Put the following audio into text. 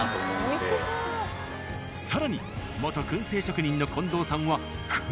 更に元燻製職人の近藤さんは。